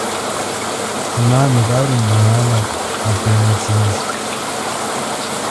Anami kali apema chindji.